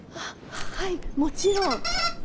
ははいもちろん。